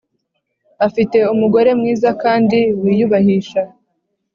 afite umugore mwiza kandi wiyubahisha